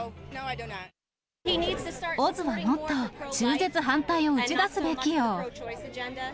オズはもっと中絶反対を打ち出すべきよ。